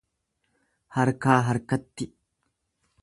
Harkaa harkatti.